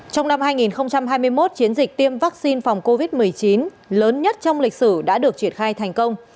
trong năm hai nghìn hai mươi một chiến dịch tiêm vaccine phòng covid một mươi chín lớn nhất trong lịch sử đã được triển khai thành công